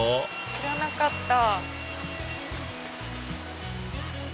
知らなかった。